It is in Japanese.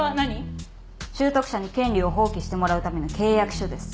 拾得者に権利を放棄してもらうための契約書です。